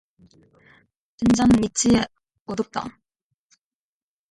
등잔 밑이 어둡다